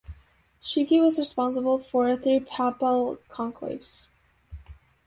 Chigi was responsible for three papal conclaves.